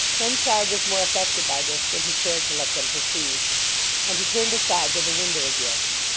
Henchard was more affected by this than he cared to let them perceive, and he turned aside to the window again.